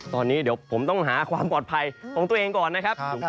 ตอนนี้เดี๋ยวผมต้องหาความปลอดภัยของตัวเองก่อนนะครับ